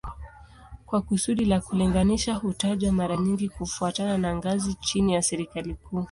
Kwa kusudi la kulinganisha hutajwa mara nyingi kufuatana na ngazi chini ya serikali kuu